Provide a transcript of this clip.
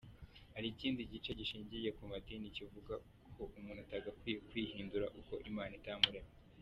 Hari ikindi gice gishingiye ku madini kivuga ko umuntu atagakwiye kwihindura uko Imana itamuremye.